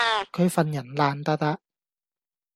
佢份人爛笪笪